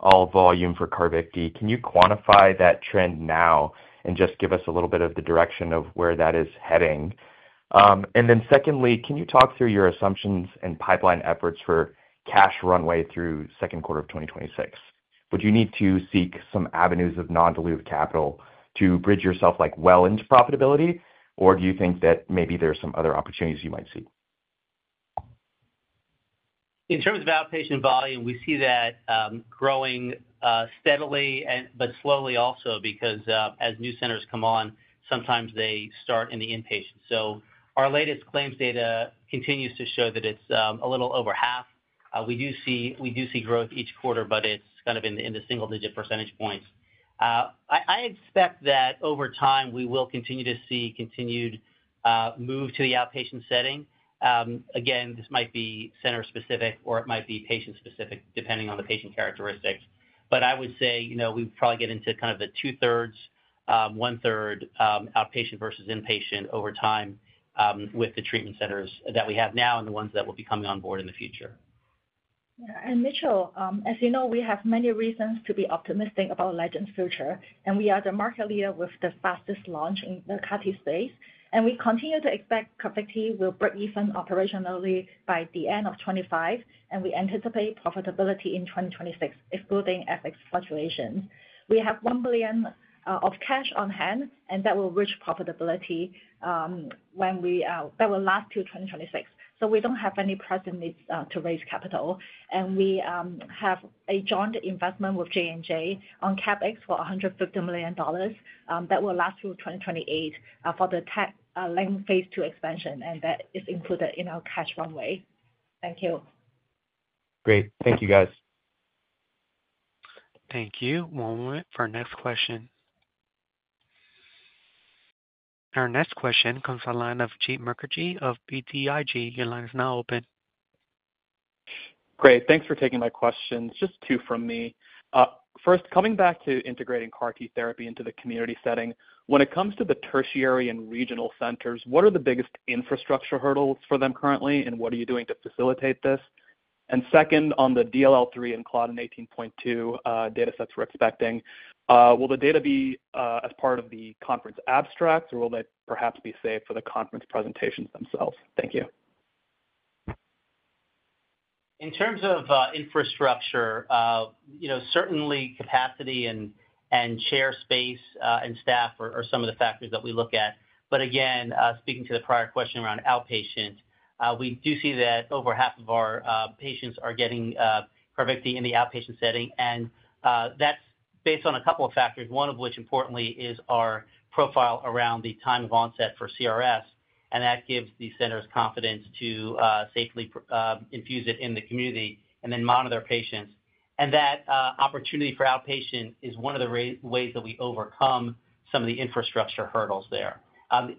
all volume for CARVYKTI. Can you quantify that trend now and just give us a little bit of the direction of where that is heading? Secondly, can you talk through your assumptions and pipeline efforts for cash runway through second quarter of 2026? Would you need to seek some avenues of non-dilutive capital to bridge yourself well into profitability, or do you think that maybe there are some other opportunities you might see? In terms of outpatient volume, we see that growing steadily, but slowly also because as new centers come on, sometimes they start in the inpatient. Our latest claims data continues to show that it's a little over half. We do see growth each quarter, but it's kind of in the single-digit percentage points. I expect that over time, we will continue to see continued move to the outpatient setting. Again, this might be center-specific or it might be patient-specific depending on the patient characteristics. I would say we probably get into kind of a two-thirds, one-third outpatient versus inpatient over time with the treatment centers that we have now and the ones that will be coming on board in the future. Yeah. Mitchell, as you know, we have many reasons to be optimistic about Legend's future. We are the market leader with the fastest launch in the CAR-T space. We continue to expect CARVYKTI will break even operationally by the end of 2025. We anticipate profitability in 2026, excluding FX fluctuations. We have $1 billion of cash on hand, and that will last till 2026. We do not have any pressing needs to raise capital. We have a joint investment with J&J on CapEx for $150 million that will last through 2028 for the tech phase two expansion. That is included in our cash runway. Thank you. Great. Thank you, guys. Thank you. One moment for our next question. Our next question comes from the line of Jeet Mukherjee of BTIG. Your line is now open. Great. Thanks for taking my questions. Just two from me. First, coming back to integrating CAR-T therapy into the community setting, when it comes to the tertiary and regional centers, what are the biggest infrastructure hurdles for them currently, and what are you doing to facilitate this? Second, on the DLL3 and CLDN18.2 datasets we're expecting, will the data be as part of the conference abstracts, or will they perhaps be saved for the conference presentations themselves? Thank you. In terms of infrastructure, certainly capacity and chair space and staff are some of the factors that we look at. Again, speaking to the prior question around outpatient, we do see that over half of our patients are getting CARVYKTI in the outpatient setting. That is based on a couple of factors, one of which, importantly, is our profile around the time of onset for CRS. That gives the centers confidence to safely infuse it in the community and then monitor their patients. That opportunity for outpatient is one of the ways that we overcome some of the infrastructure hurdles there.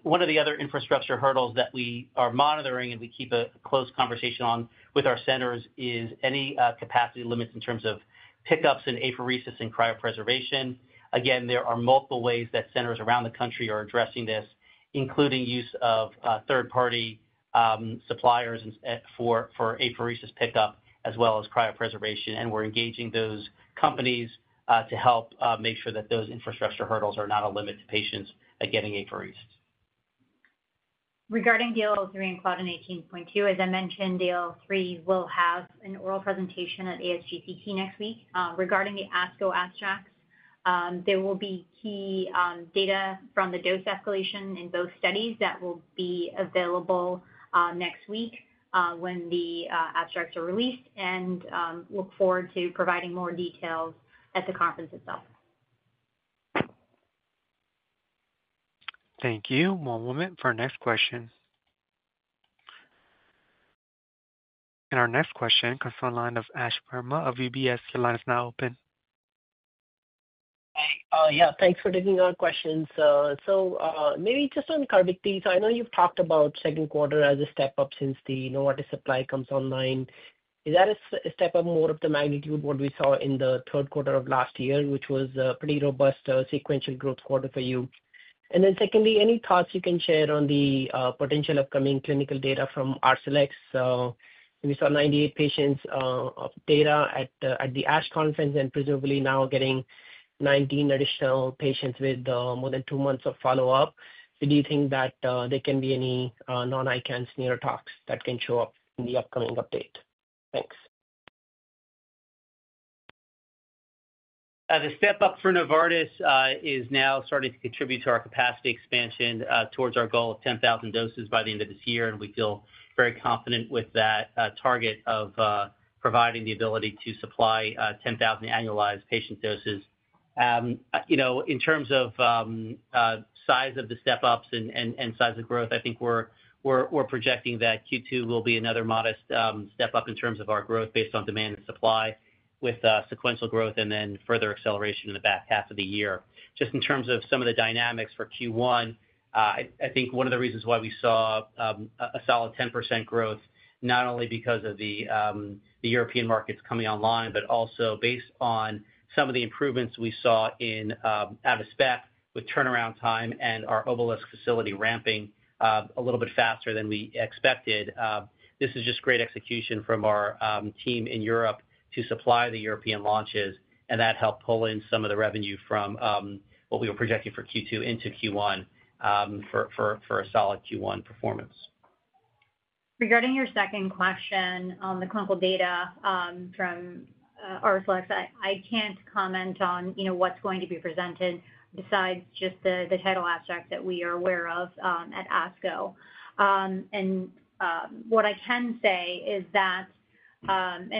One of the other infrastructure hurdles that we are monitoring and we keep a close conversation on with our centers is any capacity limits in terms of pickups and apheresis and cryopreservation. Again, there are multiple ways that centers around the country are addressing this, including use of third-party suppliers for apheresis pickup as well as cryopreservation. We are engaging those companies to help make sure that those infrastructure hurdles are not a limit to patients getting apheresed. Regarding DLL3 and CLDN18.2, as I mentioned, DLL3 will have an oral presentation at ASGCT next week. Regarding the ASCO abstracts, there will be key data from the dose escalation in both studies that will be available next week when the abstracts are released. I look forward to providing more details at the conference itself. Thank you. One moment for our next question. Our next question comes from the line of Ashwani Verma of UBS. Your line is now open. Yeah. Thanks for taking our questions. Maybe just on Carvykti. I know you've talked about second quarter as a step up since the Novartis supply comes online. Is that a step up more of the magnitude of what we saw in the third quarter of last year, which was a pretty robust sequential growth quarter for you? Secondly, any thoughts you can share on the potential upcoming clinical data from Arcellx? We saw 98 patients of data at the ASCO conference and presumably now getting 19 additional patients with more than two months of follow-up. Do you think that there can be any non-eye cancer neurotox that can show up in the upcoming update? Thanks. The step up for Novartis is now starting to contribute to our capacity expansion towards our goal of 10,000 doses by the end of this year. We feel very confident with that target of providing the ability to supply 10,000 annualized patient doses. In terms of size of the step-ups and size of growth, I think we're projecting that Q2 will be another modest step-up in terms of our growth based on demand and supply with sequential growth and then further acceleration in the back half of the year. Just in terms of some of the dynamics for Q1, I think one of the reasons why we saw a solid 10% growth, not only because of the European markets coming online, but also based on some of the improvements we saw in Avast Spec with turnaround time and our Obalisk facility ramping a little bit faster than we expected. This is just great execution from our team in Europe to supply the European launches. That helped pull in some of the revenue from what we were projecting for Q2 into Q1 for a solid Q1 performance. Regarding your second question on the clinical data from Arcellx, I can't comment on what's going to be presented besides just the title abstract that we are aware of at ASCO. What I can say is that,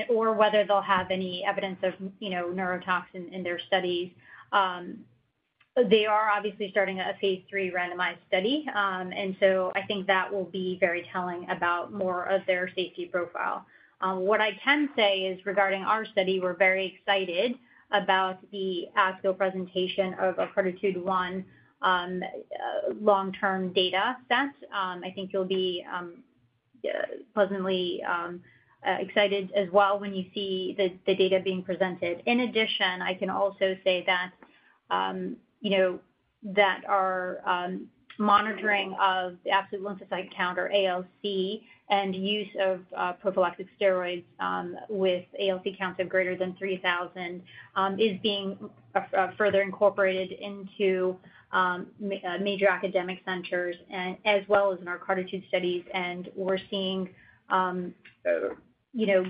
or whether they'll have any evidence of neurotoxin in their studies, they are obviously starting a phase three randomized study. I think that will be very telling about more of their safety profile. What I can say is regarding our study, we're very excited about the ASCO presentation of a CAR2/1 long-term data set. I think you'll be pleasantly excited as well when you see the data being presented. In addition, I can also say that our monitoring of the absolute lymphocyte count, or ALC, and use of prophylactic steroids with ALC counts of greater than 3,000 is being further incorporated into major academic centers as well as in our CAR2/2 studies. We are seeing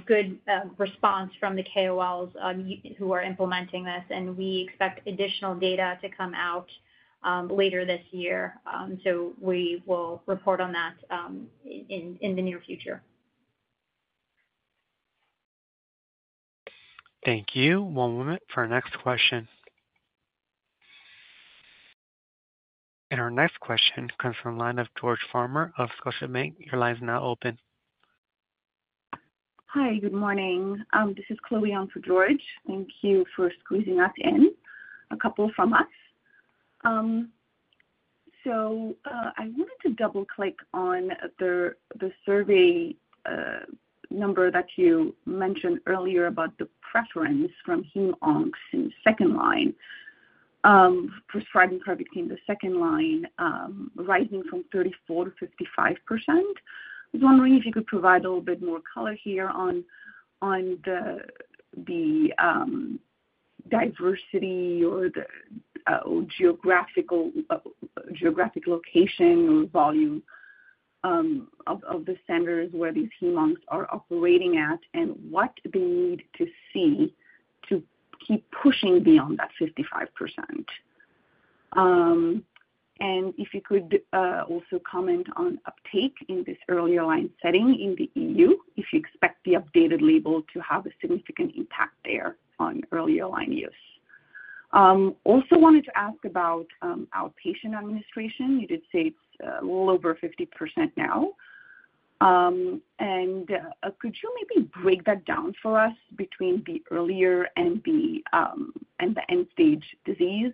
good response from the KOLs who are implementing this. We expect additional data to come out later this year. We will report on that in the near future. Thank you. One moment for our next question. Our next question comes from the line of George Farmer of Scotiabank. Your line is now open. Hi. Good morning. This is Chloe Young for George. Thank you for squeezing us in. A couple from us. I wanted to double-click on the survey number that you mentioned earlier about the preference from Heme/Onc in the second line. Prescribing CARVYKTI in the second line rising from 34% to 55%. I was wondering if you could provide a little bit more color here on the diversity or geographic location or volume of the centers where these Heme/Oncs are operating at and what they need to see to keep pushing beyond that 55%. If you could also comment on uptake in this early aligned setting in the EU, if you expect the updated label to have a significant impact there on early aligned use. I also wanted to ask about outpatient administration. You did say it's a little over 50% now. Could you maybe break that down for us between the earlier and the end-stage disease?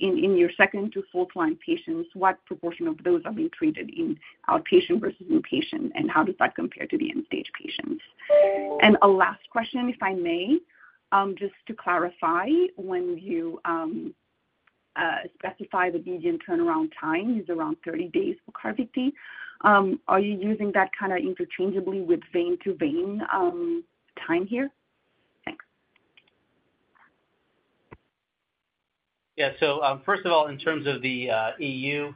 In your second to fourth-line patients, what proportion of those are being treated in outpatient versus inpatient, and how does that compare to the end-stage patients? A last question, if I may, just to clarify, when you specify the median turnaround time is around 30 days for CARVYKTI, are you using that kind of interchangeably with vein-to-vein time here? Thanks. Yeah. First of all, in terms of the EU,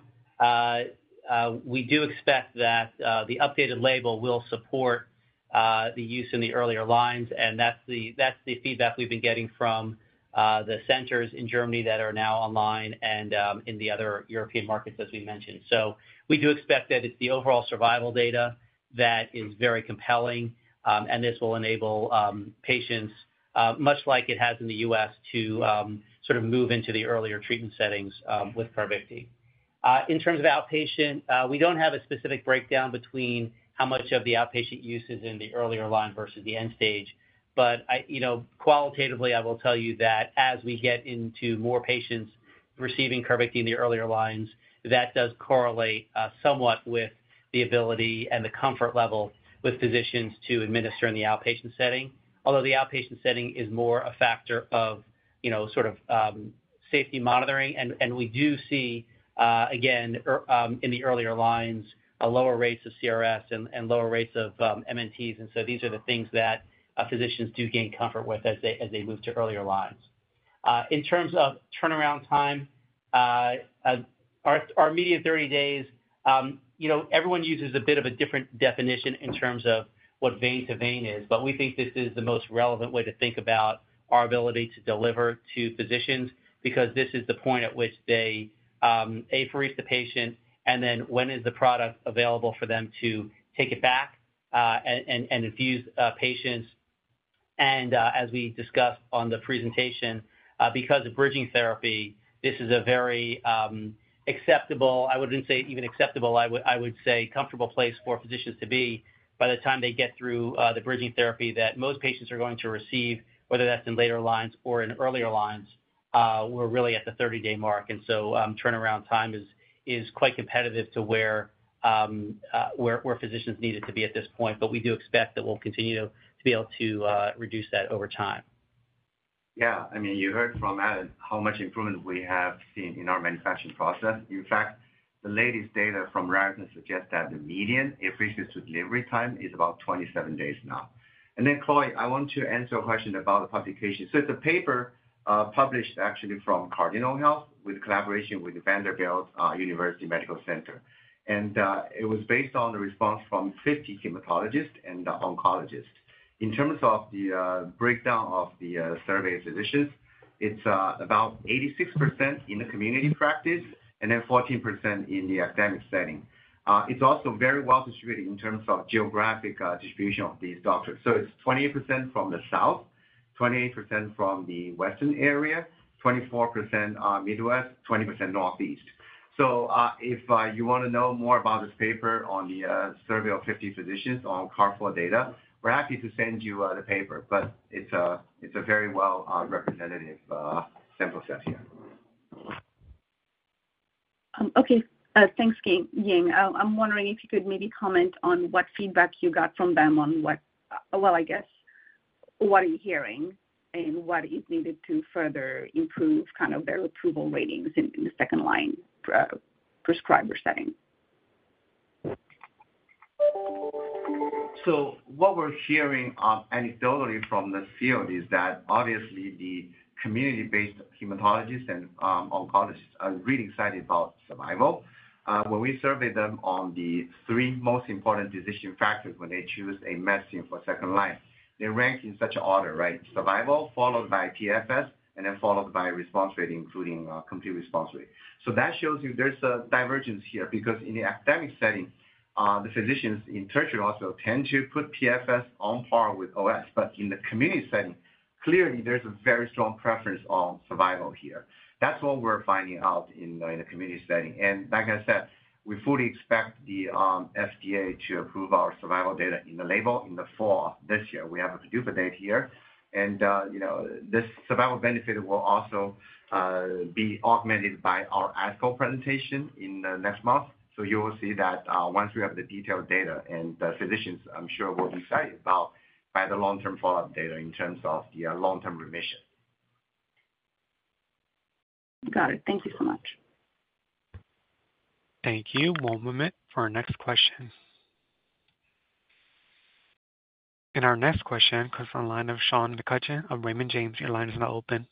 we do expect that the updated label will support the use in the earlier lines. That is the feedback we have been getting from the centers in Germany that are now online and in the other European markets, as we mentioned. We do expect that it is the overall survival data that is very compelling. This will enable patients, much like it has in the US, to sort of move into the earlier treatment settings with CARVYKTI. In terms of outpatient, we do not have a specific breakdown between how much of the outpatient use is in the earlier line versus the end-stage. Qualitatively, I will tell you that as we get into more patients receiving CARVYKTI in the earlier lines, that does correlate somewhat with the ability and the comfort level with physicians to administer in the outpatient setting. Although the outpatient setting is more a factor of sort of safety monitoring. We do see, again, in the earlier lines, lower rates of CRS and lower rates of MNTs. These are the things that physicians do gain comfort with as they move to earlier lines. In terms of turnaround time, our median 30 days, everyone uses a bit of a different definition in terms of what vein-to-vein is. We think this is the most relevant way to think about our ability to deliver to physicians because this is the point at which they apherese the patient. Then when is the product available for them to take it back and infuse patients? As we discussed on the presentation, because of bridging therapy, this is a very acceptable—I would not say even acceptable. I would say comfortable place for physicians to be by the time they get through the bridging therapy that most patients are going to receive, whether that's in later lines or in earlier lines. We're really at the 30-day mark. Turnaround time is quite competitive to where physicians needed to be at this point. We do expect that we'll continue to be able to reduce that over time. Yeah. I mean, you heard from how much improvement we have seen in our manufacturing process. In fact, the latest data from Raritan suggests that the median apheresis to delivery time is about 27 days now. Chloe, I want to answer a question about the publication. It is a paper published actually from Cardinal Health with collaboration with Vanderbilt University Medical Center. It was based on the response from 50 hematologists and oncologists. In terms of the breakdown of the survey physicians, it is about 86% in the community practice and 14% in the academic setting. It is also very well distributed in terms of geographic distribution of these doctors. It is 28% from the south, 28% from the western area, 24% midwest, 20% northeast. If you want to know more about this paper on the survey of 50 physicians on CARVYKTI data, we're happy to send you the paper. It's a very well-represented sample set here. Okay. Thanks, Ying. I'm wondering if you could maybe comment on what feedback you got from them on what—well, I guess, what are you hearing and what is needed to further improve kind of their approval ratings in the second-line prescriber setting? What we're hearing anecdotally from the field is that, obviously, the community-based hematologists and oncologists are really excited about survival. When we surveyed them on the three most important decision factors when they choose a medicine for second line, they rank in such an order, right? Survival, followed by PFS, and then followed by response rate, including complete response rate. That shows you there's a divergence here because in the academic setting, the physicians in tertiary hospital tend to put PFS on par with OS. In the community setting, clearly, there's a very strong preference on survival here. That's what we're finding out in the community setting. Like I said, we fully expect the FDA to approve our survival data in the label in the fall of this year. We have a PDUPA date here. This survival benefit will also be augmented by our ASCO presentation in the next month. You will see that once we have the detailed data, and the physicians, I'm sure, will be excited about the long-term follow-up data in terms of the long-term remission. Got it. Thank you so much. Thank you. One moment for our next question. Our next question comes from the line of Sean McCutcheon of Raymond James. Your line is now open.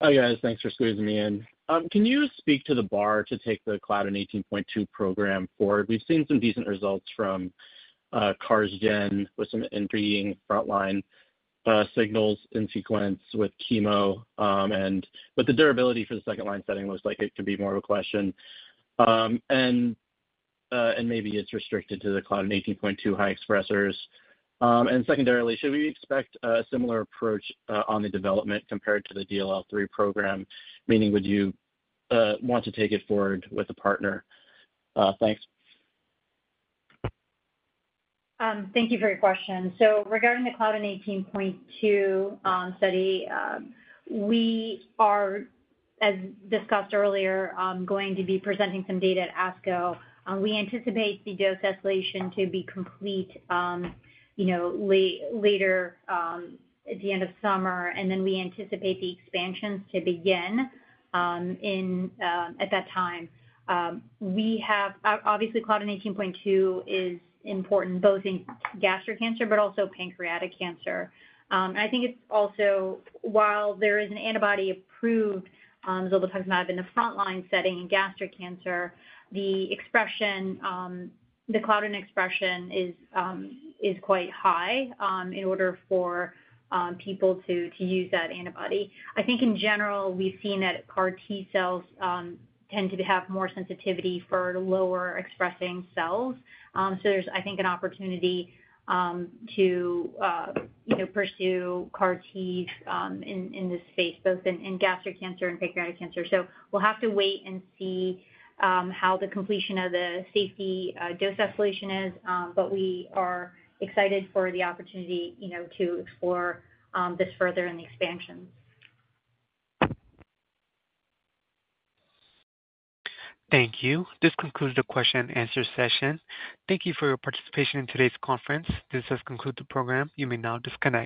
Hi, guys. Thanks for squeezing me in. Can you speak to the bar to take the CLDN18.2 program forward? We've seen some decent results from CarsGen with some intriguing frontline signals in sequence with chemo. The durability for the second-line setting looks like it could be more of a question. Maybe it's restricted to the CLDN18.2 high expressors. Secondarily, should we expect a similar approach on the development compared to the DLL3 program? Meaning, would you want to take it forward with a partner? Thanks. Thank you for your question. Regarding the CLDN18.2 study, we are, as discussed earlier, going to be presenting some data at ASCO. We anticipate the dose escalation to be complete later at the end of summer. We anticipate the expansions to begin at that time. Obviously, CLDN18.2 is important both in gastric cancer but also pancreatic cancer. I think it is also, while there is an antibody approved, Zolbetuximab, in the front-line setting in gastric cancer, the CLDN18.2 expression is quite high in order for people to use that antibody. I think, in general, we've seen that CAR-T cells tend to have more sensitivity for lower expressing cells. There is, I think, an opportunity to pursue CAR-T in this space, both in gastric cancer and pancreatic cancer. We'll have to wait and see how the completion of the safety dose escalation is. But we are excited for the opportunity to explore this further and the expansions. Thank you. This concludes the question-and-answer session. Thank you for your participation in today's conference. This has concluded the program. You may now disconnect.